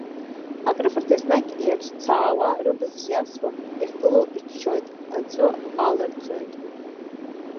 Акрыфарҭа еснагь иаҿцаауа рыбз иасуа иахьгыло иччоит, аҵәы аларҵоит.